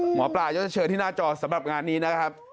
หมอปลาจะเชิญที่หน้าจอสำหรับงานนี้นะครับ